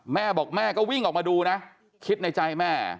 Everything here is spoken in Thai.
แม่บอกแม่ก็วิ่งออกมาดูนะคิดในใจแม่